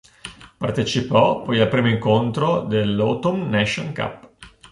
Partecipò poi al primo incontro dell'Autumn Nations Cup.